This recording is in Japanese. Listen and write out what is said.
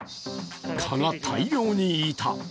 蚊が大量にいた。